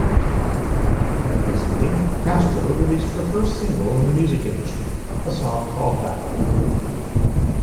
Recently, Castro released her first single in the music industry, a song titled "Diary.